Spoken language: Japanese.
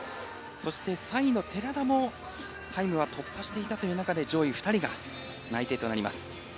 そして、３位の寺田もタイムは突破していたという状況で上位２人が内定となります。